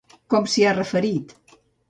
Com s'hi ha referit?